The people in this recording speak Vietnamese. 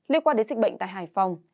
liên quan đến dịch bệnh tại hải phòng